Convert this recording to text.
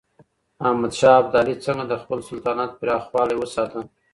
احمد شاه ابدالي څنګه د خپل سلطنت پراخوالی وساته؟